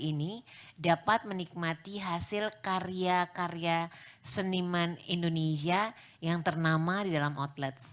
ini dapat menikmati hasil karya karya seniman indonesia yang ternama di dalam outlet